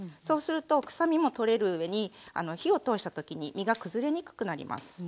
そうすると臭みも取れる上に火を通した時に身が崩れにくくなります。